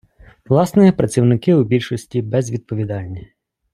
Власне, працівники у більшості безвідповідальні.